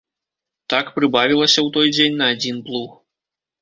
Так прыбавілася ў той дзень на адзін плуг.